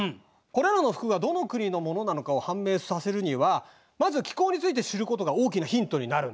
これらの服がどの国のものなのかを判明させるにはまず気候について知ることが大きなヒントになる。